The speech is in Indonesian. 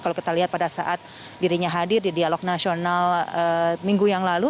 kalau kita lihat pada saat dirinya hadir di dialog nasional minggu yang lalu